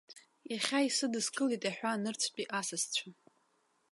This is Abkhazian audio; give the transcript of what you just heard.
Иахьа исыдыскылеит аҳәаанырцәтәи асасцәа.